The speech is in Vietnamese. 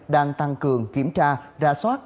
đang tăng cường kiểm tra ra soát